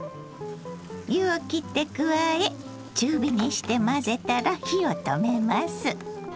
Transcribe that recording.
湯をきって加え中火にして混ぜたら火を止めます。